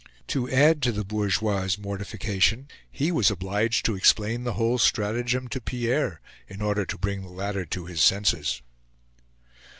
To add to the bourgeois' mortification, he was obliged to explain the whole stratagem to Pierre, in order to bring the latter to his senses.